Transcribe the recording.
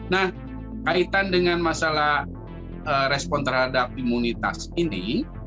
nah kaitan dengan masalah respon terhadap imunitas ini